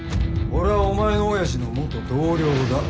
俺はお前の親父の元同僚だ。